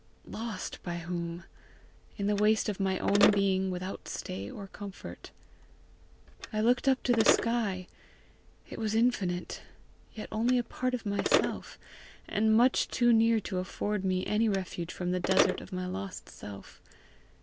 lost by whom? in the waste of my own being, without stay or comfort. I looked up to the sky; it was infinite yet only a part of myself, and much too near to afford me any refuge from the desert of my lost self.